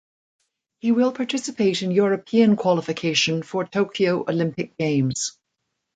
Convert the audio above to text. He will participate in European qualification for Tokyo Olympic Games.